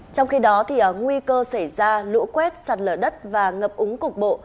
trong khi đó nguy cơ xảy ra lũ quét sạt lở đất và ngập úng cục bộ